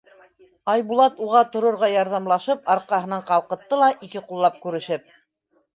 Айбулат уға торорға ярҙамлашып арҡаһынан ҡалҡытты ла, ике ҡуллап күрешеп: